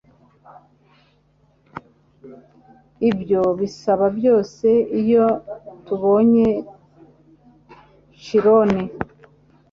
ibyo bisaba byose iyo tubonye Chiron